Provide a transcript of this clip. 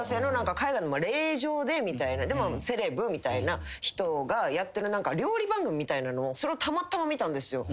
海外の令嬢でみたいなセレブみたいな人がやってる料理番組みたいなのをそれをたまたま見たんですよ。